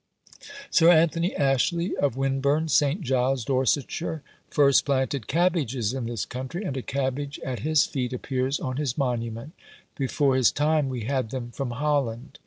Sir Anthony Ashley, of Winburne St. Giles, Dorsetshire, first planted cabbages in this country, and a cabbage at his feet appears on his monument: before his time we had them from Holland.